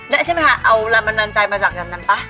นั่นใช่ไหมคะเอารามนานใจมาจากกันนั้นป่ะ